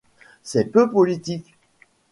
C'est peu politique !